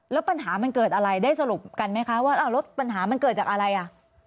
แล้วปัญหามันเกิดอะไรได้สรุปกันไหมคะว่าแล้วปัญหามันเกิดจากอะไรอ่ะ